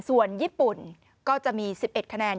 ส่วนญี่ปุ่นก็จะมี๑๑คะแนน